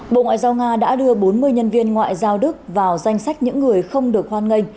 bộ ngoại giao nga đã đưa bốn mươi nhân viên ngoại giao đức vào danh sách những người không được hoan nghênh